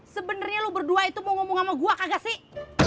sebenernya lu berdua itu mau ngomong sama gue kagak sih